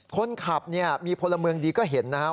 คนขับเนี่ยมีพลเมืองดีก็เห็นนะครับ